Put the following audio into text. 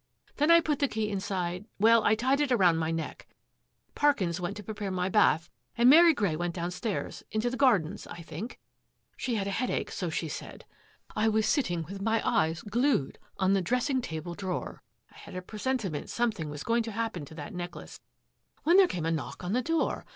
Then I put the key inside — well, I tied it around my neck. Parkins went to prepare my bath and Mary Grey went downstairs — into the gardens, I think. She had a headache, so she said. I was sitting with my eyes glued on the dressing table drawer — I had a presentiment something was going to happen to that necklace — when there came a knock on the door.